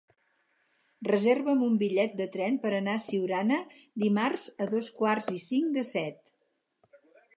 Reserva'm un bitllet de tren per anar a Siurana dimarts a dos quarts i cinc de set.